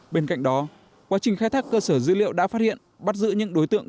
bên cạnh đó quá trình khai thác cơ sở dữ liệu đã phát hiện bắt giữ những đối tượng